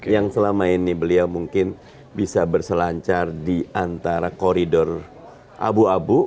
yang selama ini beliau mungkin bisa berselancar di antara koridor abu abu